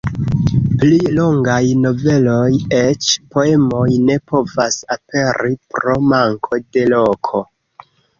Pli longaj noveloj, eĉ poemoj ne povas aperi pro manko de loko.